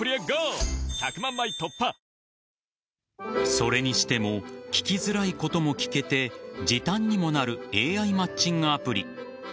それにしても聞きづらいことも聞けて時短にもなるＡＩマッチングアプリ。